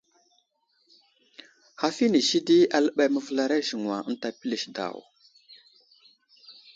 Haf inisi di aləɓay məvəlar a aziŋwa ənta pəlis daw.